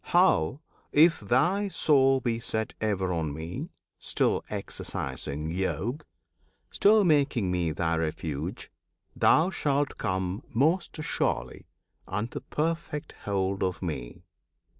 how, if thy soul be set Ever on Me still exercising Yog, Still making Me thy Refuge thou shalt come Most surely unto perfect hold of Me.